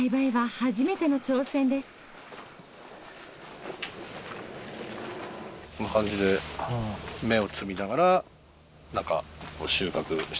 こんな感じで芽を摘みながら何か収穫して。